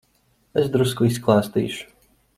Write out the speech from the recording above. Es drusku izklāstīšu.